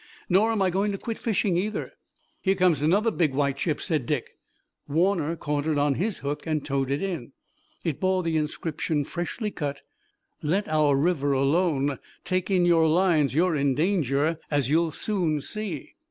Nor am I going to quit fishing either." "Here comes another big white chip," said Dick. Warner caught it on his hook and towed it in. It bore the inscription, freshly cut: Let our river alone Take in your lines You're in danger, As you'll soon see.